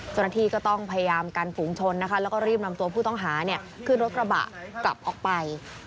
เจ้าหน้าที่ก็ต้องพยายามกันฝูงชนนะคะแล้วก็รีบนำตัวผู้ต้องหาขึ้นรถกระบะกลับออกไป